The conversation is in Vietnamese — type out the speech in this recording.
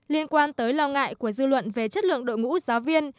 liên quan tới lo ngại của dư luận về chất lượng đội ngũ giáo viên